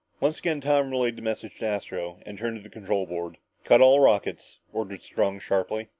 Once again Tom relayed the message to Astro and turned to the control board. "Cut all rockets!" ordered Strong sharply.